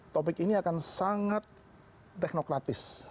topik ini akan sangat teknokratis